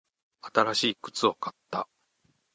新しい靴を買った。